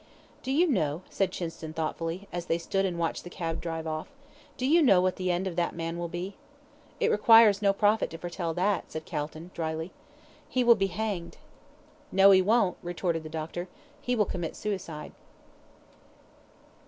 "Do you know," said Chinston, thoughtfully, as they stood and watched the cab drive off, "do you know what the end of that man will be?" "It requires no prophet to foretell that," said Calton, dryly. "He will be hanged." "No, he won't," retorted the doctor. "He will commit suicide."